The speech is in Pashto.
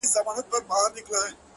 صفت زما مه كوه مړ به مي كړې-